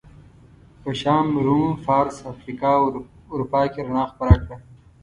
په شام، روم، فارس، افریقا او اروپا کې رڼا خپره کړه.